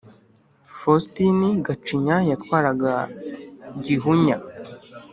Faustini Gacinya yatwaraga Gihunya.